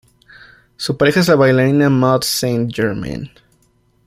Su pareja es la bailarina Maud St-Germain.